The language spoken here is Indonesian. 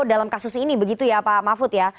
dalam kasus ini begitu ya pak mahfud ya